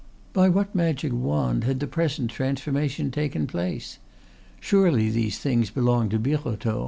By what magic wand had the present transformation taken place? Surely these things belonged to Birotteau?